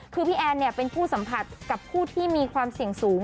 คือพี่แอนเป็นผู้สัมผัสกับผู้ที่มีความเสี่ยงสูง